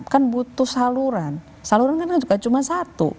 kan butuh saluran saluran kan juga cuma satu